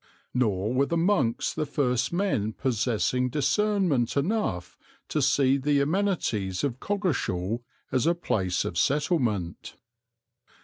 Nor were the monks the first men possessing discernment enough to see the amenities of Coggeshall as a place of settlement.